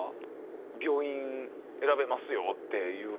病院選べますよ！っていう方。